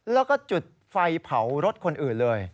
แล้วก็จุดไฟเผารถคนอื่นเลย